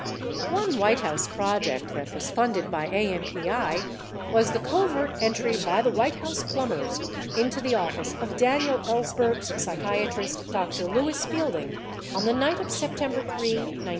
65 One White House project that was funded by AMPI was the covert entry by the White House Plumbers into the office of Daniel Ellsberg's psychiatrist, Dr. Lewis Fielding, on the night of September 3, 1971.